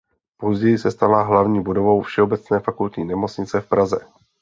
Později se stala hlavní budovou Všeobecné fakultní nemocnice v Praze.